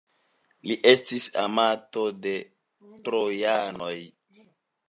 Li estis amato de trojanoj.